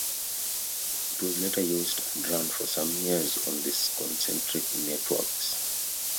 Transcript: It was later used and ran for some years on the Concentric Networks.